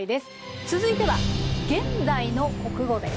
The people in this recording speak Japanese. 続いては「現代の国語」です。